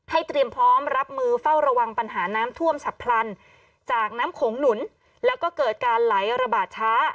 เตรียมพร้อมรับมือเฝ้าระวังปัญหาน้ำท่วมฉับพลันจากน้ำโขงหนุนแล้วก็เกิดการไหลระบาดช้า